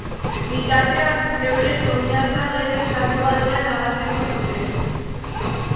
Bitartean, euren oinazea geroz eta handiagoa dela nabarmendu zuten.